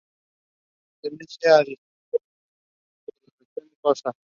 Pertenece al distrito de Jamiltepec, dentro de la región costa.